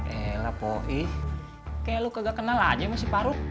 kayaknya kamu tidak kenal sama si paruk